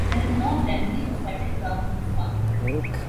There is no generally accepted term for this concept.